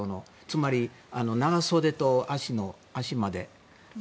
つまり長袖と足まで。